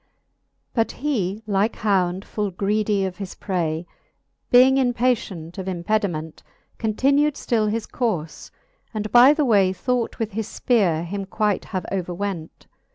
VII. But he, like hound full greedy of his pray, Being impatient of impediment, Continu'd ftill his courfe, and by the way Thought with his fpeare him quight have overwent.